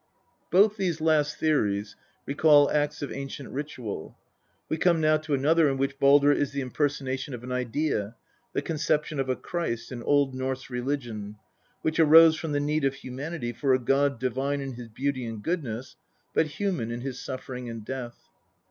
Both these last theories recall acts of ancient ritual. We come now to another in which Baldr is the impersonation i>f an idea, the conception of a Christ in Old Norse religion, which arose from the need of humanity for a god divine in his beauty and goodness, but human in his suffering and death.